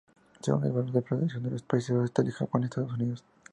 Según el valor de producción los Países Bajos, Italia, Japón y Estados Unidos.